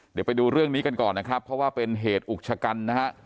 เดี๋ยวไปดูเรื่องมาก่อนเพราะว่าเป็นเหตุอุกกัญ